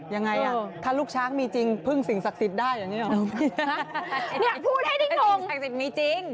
ยังไงอ่ะถ้าลูกช้างมีจริงเพิ่งสิ่งศักดิ์ศิษย์ได้อย่างนี้เหรอ